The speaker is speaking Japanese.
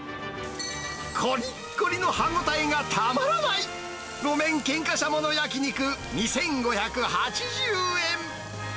こりっこりの歯応えがたまらない、ごめんケンカシャモの焼き肉２５８０円。